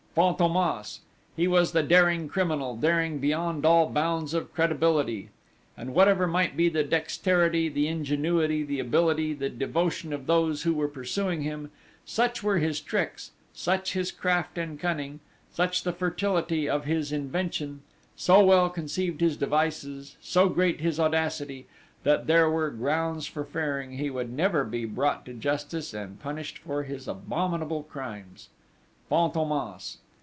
Fantômas! He was the daring criminal daring beyond all bounds of credibility. And whatever might be the dexterity, the ingenuity, the ability, the devotion of those who were pursuing him, such were his tricks, such his craft and cunning, such the fertility of his invention, so well conceived his devices, so great his audacity, that there were grounds for fearing he would never be brought to justice, and punished for his abominable crimes! Fantômas!